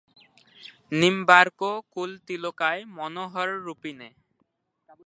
নিম্বার্ককুলতিলকায় মনোহররূপিণে।